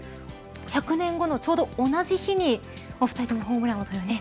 １００年後のちょうど同じ日に２人ともホームランというね。